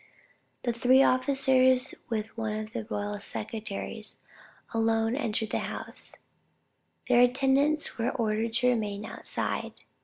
The three officers with one of the royal secretaries alone entered the house; their attendants were ordered to remain outside.